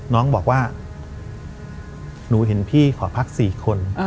น้องบอกว่าหนูเห็นพี่ขอพัก๔คน